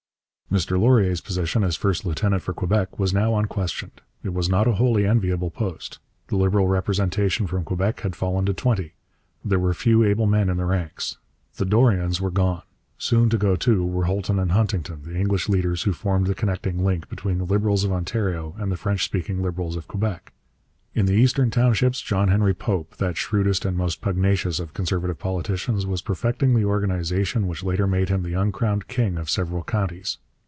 Mr Laurier's position as first lieutenant for Quebec was now unquestioned. It was not a wholly enviable post. The Liberal representation from Quebec had fallen to twenty. There were few able men in the ranks. The Dorions were gone. Soon to go too were Holton and Huntington, the English leaders who formed the connecting link between the Liberals of Ontario and the French speaking Liberals of Quebec. In the Eastern Townships John Henry Pope, that shrewdest and most pugnacious of Conservative politicians, was perfecting the organization which later made him the uncrowned king of several counties.